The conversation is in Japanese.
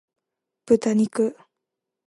豚肉